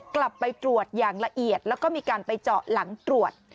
กลับไปตรวจอย่างละเอียดแล้วก็มีการไปเจาะหลังตรวจ